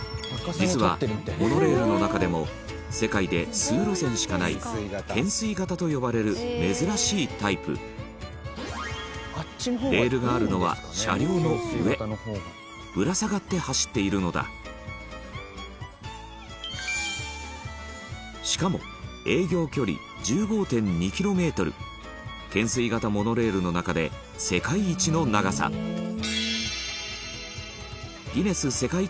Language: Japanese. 実は、モノレールの中でも世界で数路線しかない懸垂型と呼ばれる珍しいタイプレールがあるのは車両の上ぶら下がって走っているのだしかも営業距離１５．２ｋｍ懸垂型モノレールの中で世界一の長さ本仮屋：へえー！